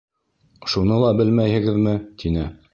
— Шуны ла белмәйһегеҙме? тине.